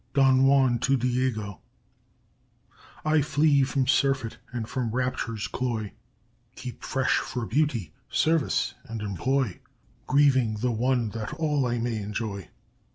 DON JUAN [to Diego] "I flee from surfeit and from rapture's cloy, Keep fresh for Beauty service and employ, Grieving the One, that All I may enjoy.